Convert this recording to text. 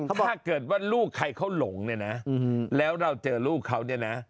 ถ้าเกิดว่าลูกใครเขาหลงเนี่ยนะแล้วเราเจอลูกเขาเนี่ยนะ